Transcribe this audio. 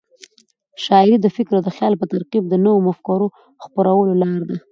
شاعري د فکر او خیال په ترکیب د نوو مفکورو د خپرولو لار ده.